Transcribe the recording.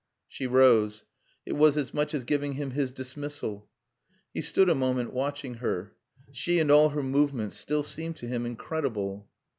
She rose. It was as much as giving him his dismissal. He stood a moment watching her. She and all her movements still seemed to him incredible.